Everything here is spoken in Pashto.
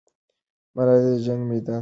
ملالۍ د جنګ میدان ته ورتللې.